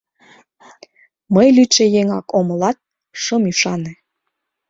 Мый лӱдшӧ еҥак омылат, шым ӱшане.